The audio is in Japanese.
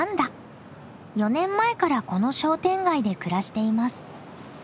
４年前からこの商店街で暮らしています。